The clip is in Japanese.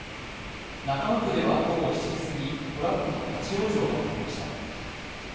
中野区では午後７時すぎ、トラックの立往生が起きました。